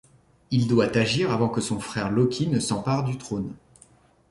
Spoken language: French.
Il doit agir avant que son frère Loki ne s'empare du trône.